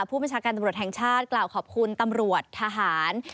ผู้บัญชาการตำรวจแห่งชาติกล่าวขอบคุณตำรวจทหาร